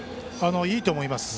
いいと思います。